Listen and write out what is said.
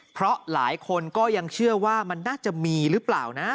เพราะหลายคนก็ยังเชื่อว่ามันน่าจะมีหรือเปล่านะ